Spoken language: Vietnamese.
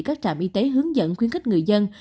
các trạm y tế hướng dẫn khuyến khích người dân